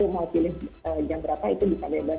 mau pilih jam berapa itu bisa bebas